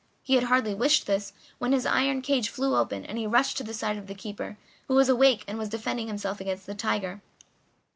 He had hardly wished this when his iron cage flew open, and he rushed to the side of the keeper, who was awake and was defending himself against the tiger.